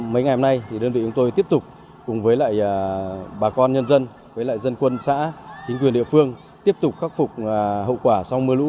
mấy ngày hôm nay thì đơn vị chúng tôi tiếp tục cùng với lại bà con nhân dân với lại dân quân xã chính quyền địa phương tiếp tục khắc phục hậu quả sau mưa lũ